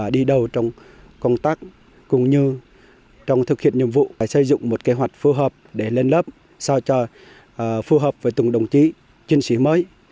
đi đầu trong công tác cũng như trong thực hiện nhiệm vụ phải xây dựng một kế hoạch phù hợp để lên lớp phù hợp với từng đồng chí chiến sĩ mới